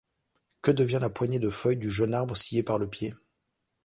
Que devient la poignée de feuilles du jeune arbre scié par le pied?